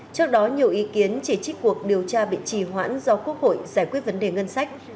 trước đó nhiều ý kiến chỉ trích cuộc điều tra bị trì hoãn do quốc hội giải quyết vấn đề ngân sách